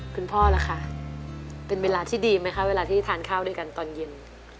พ่อล่ะคะเป็นเวลาที่ดีไหมคะเวลาที่ทานข้าวด้วยกันตอนเย็น